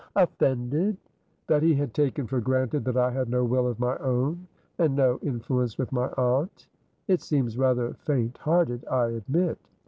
"Offended?" "That he had taken for granted that I had no will of my own, and no influence with my aunt." "It seems rather faint hearted, I admit."